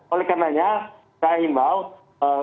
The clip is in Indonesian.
oleh karenanya saya ingin bahwa